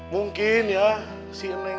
mungkin ya si eneng